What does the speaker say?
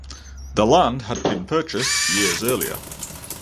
The land had been purchased years earlier.